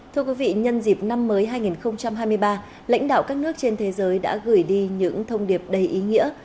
thưa quý vị nhân dịp năm mới hai nghìn hai mươi ba lãnh đạo các nước trên thế giới đã gửi đi những thông điệp đầy ý nghĩa